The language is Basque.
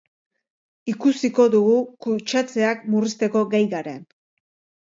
Ikusiko dugu kutsatzeak murrizteko gai garen.